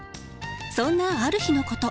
そんなある日のこと。